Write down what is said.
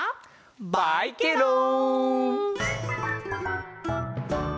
バイケロン！